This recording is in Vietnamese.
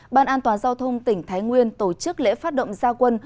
ban an toàn giao thông tỉnh thái nguyên tổ chức lễ phát động gia quân